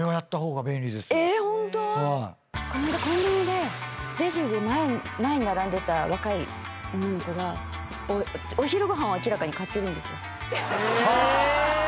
この間コンビニでレジで前に並んでた若い女の子がお昼ご飯を明らかに買ってるんですよ。